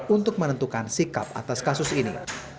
untuk menentukan sikap atas kasus ini